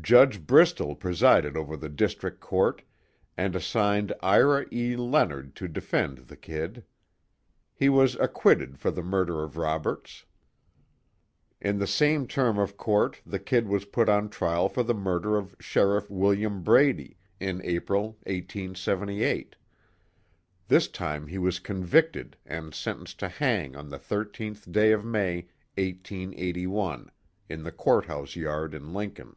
Judge Bristol presided over the District Court, and assigned Ira E. Leonard to defend the "Kid." He was acquitted for the murder of Roberts. In the same term of court, the "Kid" was put on trial for the murder of Sheriff Wm. Brady, in April, 1878. This time he was convicted, and sentenced to hang on the 13th day of May, 1881, in the Court House yard in Lincoln.